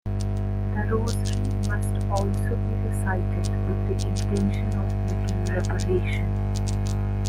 The Rosary must also be recited with the intention of making reparation.